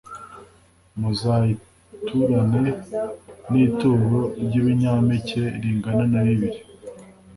muzayiturane n ituro ry ibinyampeke ringana na bibiri